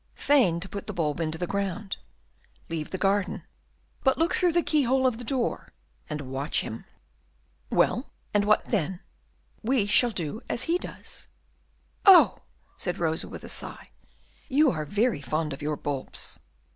Feign to put the bulb into the ground; leave the garden, but look through the keyhole of the door and watch him." "Well, and what then?" "What then? We shall do as he does." "Oh!" said Rosa, with a sigh, "you are very fond of your bulbs."